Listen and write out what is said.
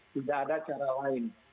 tidak ada cara lain